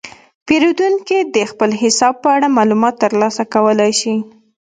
پیرودونکي د خپل حساب په اړه معلومات ترلاسه کولی شي.